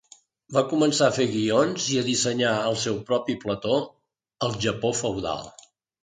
Va començar a fer guions i a dissenyar el seu propi plató al Japó feudal.